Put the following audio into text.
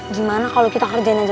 gimana kalau kita kerjain aja